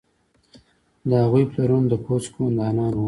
د هغوی پلرونه د پوځ قوماندانان وو.